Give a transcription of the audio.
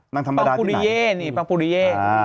นางธรรมดาปักปุริเยนี่ปักปุริเย